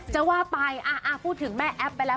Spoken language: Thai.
จะว่าไปพูดถึงแม่แอ๊บไปแล้ว